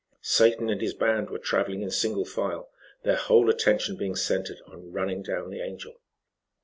Satan and his band were traveling in single file, their whole attention being centered on running down the Angel.